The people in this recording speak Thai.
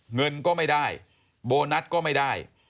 เงินก็ไม่ได้โบนัสก็ไม่ได้